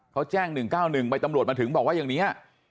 เขาแจ้ง๑๙๑ไปตำรวจมาถึงบอกว่าอย่างนี้